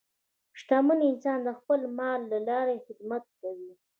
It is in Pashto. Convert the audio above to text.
شتمن انسان د خپل مال له لارې خدمت کوي.